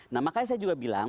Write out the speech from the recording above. nah makanya saya juga bilang